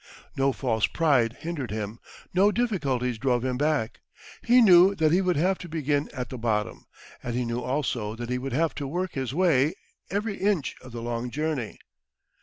No false pride hindered him, no difficulties drove him back. He knew that he would have to begin at the bottom, and he knew also that he would have to work his way, every inch of the long journey.